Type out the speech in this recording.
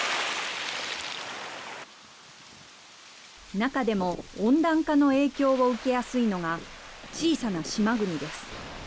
中でも、温暖化の影響を受けやすいのが、小さな島国です。